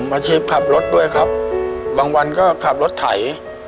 อาชีพขับรถด้วยครับบางวันก็ขับรถไถ